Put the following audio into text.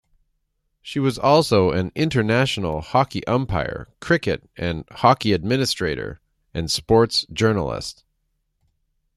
She was also an international hockey umpire, cricket and hockey administrator, and sports journalist.